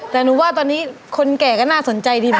แต่หนูว่าตอนนี้คนแก่ก็น่าสนใจดีนะ